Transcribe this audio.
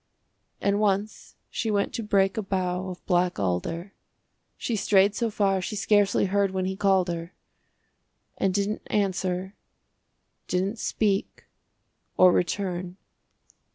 And once she went to break a bough Of black alder. She strayed so far she scarcely heard When he called her And didn't answer didn't speak Or return.